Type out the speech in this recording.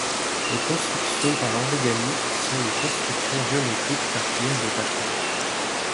Les constructions par origami sont les constructions géométriques par pliages de papier.